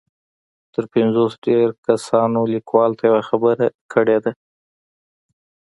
تر پنځوس ډېرو کسانو ليکوال ته يوه خبره کړې ده.